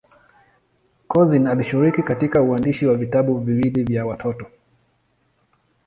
Couzyn alishiriki katika uandishi wa vitabu viwili vya watoto.